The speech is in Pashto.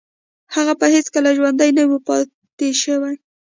هغه به هیڅکله ژوندی نه و پاتې شوی